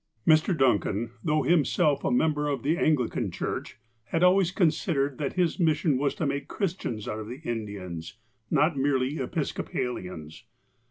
Mr. Duncan, though himself a member of the Anglican Church, had always considered that his mission was to make Christians out of the Indians, not merely Episco palians.